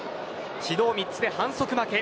指導３つで反則負け。